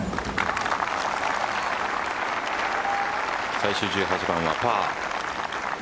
最終１８番はパー。